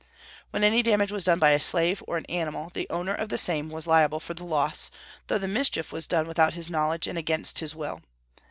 When any damage was done by a slave or an animal, the owner of the same was liable for the loss, though the mischief was done without his knowledge and against his will.